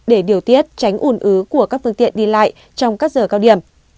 để điều tiết tránh ủn ứ của các phương tiện đi lại trong các giờ cao điểm